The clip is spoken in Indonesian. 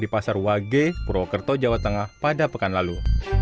di pasar wage purwokerto jawa tengah pada pekan lalu